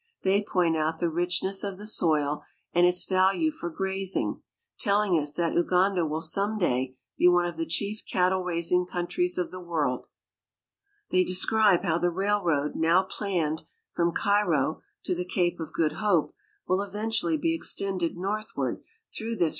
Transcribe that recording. They point out the richness of the soil and its value for grazing, telling us that Uganda will some day be one of the chief cattle raising countries of the world. They describe how the railroad now planned from Cairo to the Cape of Good Hope will eventually be extended northward through this EI.El'HANl'S AND IVOKV N ^ te^t^